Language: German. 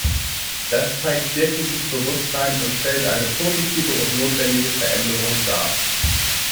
Das zeigt wirkliches Bewusstsein und stellt eine positive und notwendige Veränderung dar.